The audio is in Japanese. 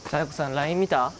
ＬＩＮＥ見た？